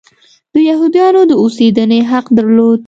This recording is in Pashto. د یهودیانو د اوسېدنې حق درلود.